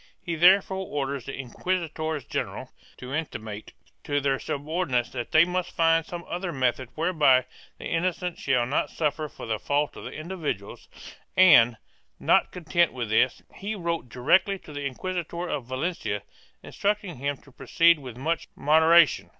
He therefore orders the inquisitors general to intimate to their subordinates that they must find some other method whereby the innocent shall not suffer for the fault of individuals and, not content with this, he wrote directly to the Inquisitor of Valencia, instructing him to proceed with much moderation.